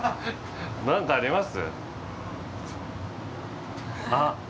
何かあります？